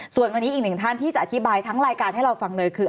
ส่วนวันนี้อีกหนึ่งท่านที่จะอธิบายทั้งรายการให้เราฟังเลยคือ